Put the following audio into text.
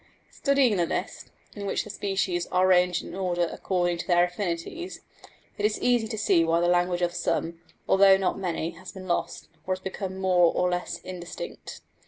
Studying the list, in which the species are ranged in order according to their affinities, it is easy to see why the language of some, although not many, has been lost or has become more or less indistinct.